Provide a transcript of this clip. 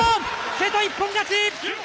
瀬戸、一本勝ち！